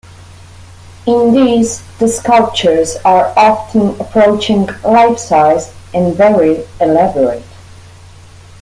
In these the sculptures are often approaching life-size and very elaborate.